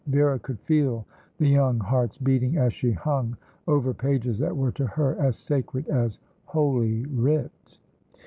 Vera could feel the young hearts beating, as she hung over pages that were to her as sacred as Holy Writ.